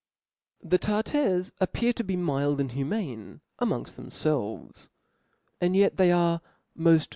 T H E Tartars appear to be mild and humane B 00 it amongft themfelves; and yet they are moft chap.